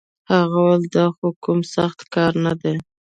هغه وويل دا خو کوم سخت کار نه دی.